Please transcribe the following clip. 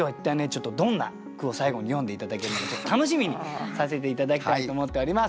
ちょっとどんな句を最後に詠んで頂けるのか楽しみにさせて頂きたいと思っております。